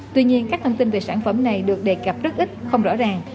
tuy nhiên các thông tin về sản phẩm này được đề cập rất ít không rõ ràng